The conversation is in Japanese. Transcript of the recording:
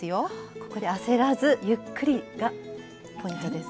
ここで焦らずゆっくりがポイントです。